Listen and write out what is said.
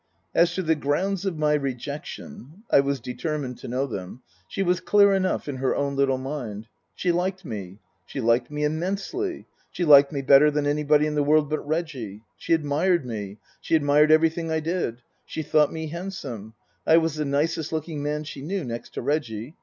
As to the grounds of my rejection (I was determined to know them), she was clear enough in her own little mind. She liked me ; she liked me immensely ; she liked me better than anybody in the world but Reggie. She admired me ; she admired everything I did ; she thought me handsome ; I was the nicest looking man she knew, next to Reggie.